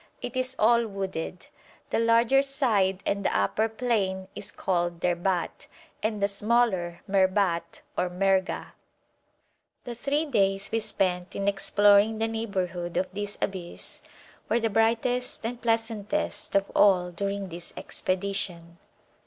It is all wooded. The larger side and the upper plain is called Derbat, and the smaller Merbat or Mergà. The three days we spent in exploring the neighbourhood of this abyss were the brightest and pleasantest of all during this expedition.